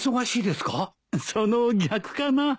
その逆かな。